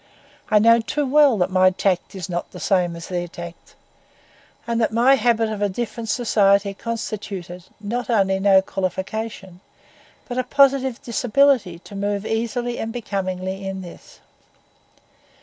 I know too well that my tact is not the same as their tact, and that my habit of a different society constituted, not only no qualification, but a positive disability to move easily and becomingly in this.